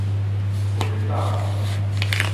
炊斗